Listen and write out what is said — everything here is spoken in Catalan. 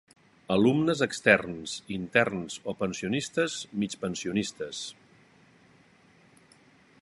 Alumnes externs, interns o pensionistes, migpensionistes.